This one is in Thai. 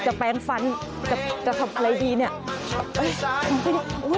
แปลงฟันจะทำอะไรดีเนี่ย